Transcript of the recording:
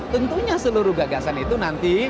tentunya seluruh gagasan itu nanti